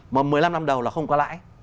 mà một mươi năm năm đầu là không có lãi